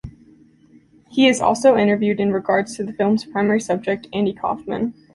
He is also interviewed in regards to the film's primary subject, Andy Kaufman.